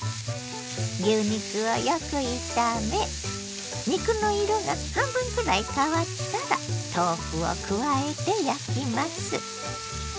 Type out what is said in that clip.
牛肉をよく炒め肉の色が半分くらい変わったら豆腐を加えて焼きます。